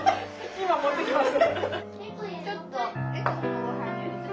今持ってきます。